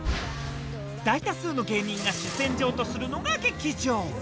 大多数の芸人が主戦場とするのが劇場。